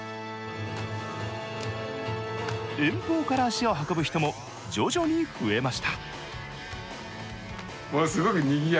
遠方から足を運ぶ人も徐々に増えました。